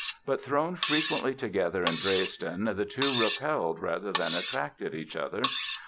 But thrown frequently together in Dresden the two repelled rather than attracted each other.